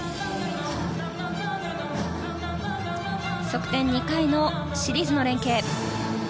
側転２回のシリーズの連係。